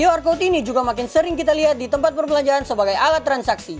qr code ini juga makin sering kita lihat di tempat perbelanjaan sebagai alat transaksi